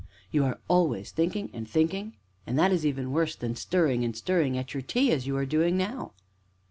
you are always thinking and thinking and that is even worse than stirring, and stirring at your tea, as you are doing now."